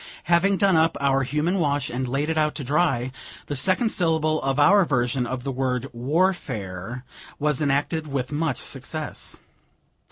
Having done up our human wash, and laid it out to dry, the second syllable of our version of the word war fare was enacted with much success.